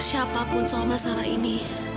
siapapun soal masalah ini